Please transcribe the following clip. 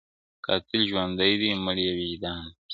قاتل ژوندی دی، مړ یې وجدان دی.